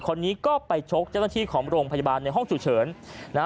คนนี้ก็ไปชกเจ้าต้นที่ของโรงพยาบาลในห้องสู่เฉิน